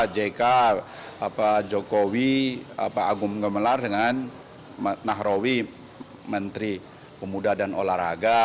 jk pak jokowi agung gemelar dengan nahrawi menteri pemuda dan olahraga